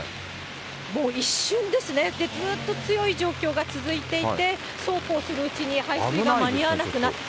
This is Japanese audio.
もう一瞬ですね、ずっと強い状況が続いていて、そうこうするうちに、排水が間に合わなくなって。